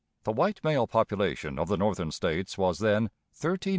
The white male population of the Northern States was then 13,690,364.